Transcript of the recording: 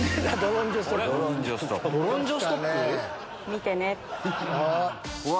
見てね。